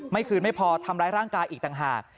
คืนไม่พอทำร้ายร่างกายอีกต่างหาก